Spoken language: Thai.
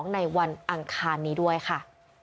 ในวันอังคารนี้ด้วยค่ะ